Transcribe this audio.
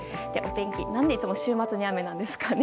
何でいつも週末に雨なんですかね。